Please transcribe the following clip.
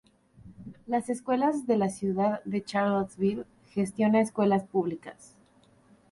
Las Escuelas de la Ciudad de Charlottesville gestiona escuelas públicas.